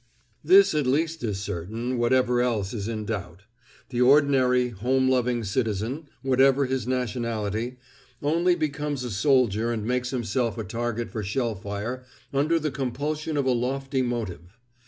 This at least is certain, whatever else is in doubt: the ordinary, home loving citizen, whatever his nationality, only becomes a soldier and makes himself a target for shell fire under the compulsion of a lofty motive.